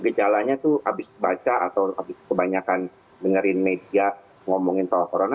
gejalanya tuh habis baca atau habis kebanyakan dengerin media ngomongin soal corona